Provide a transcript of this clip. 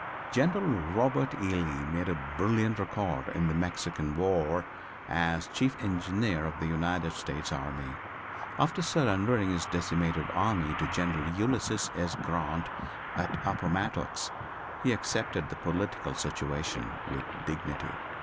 General Robert E. Lee made a brilliant record in the Mexican war as Chief Engineer of the United States army. After surrendering his decimated army to General Ulysses S. Grant, at Appomattox, he accepted the political situation with dignity.